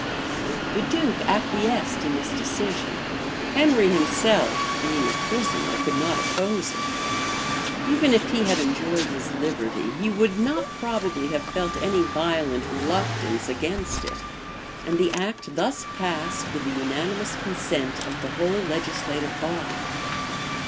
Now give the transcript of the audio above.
[] The duke acquiesced in this decision: Henry himself, being a prisoner, could not oppose it: even if he had enjoyed his liberty, he would not probably have felt any violent reluctance against it: and the act thus passed with the unanimous consent of the whole legislative body.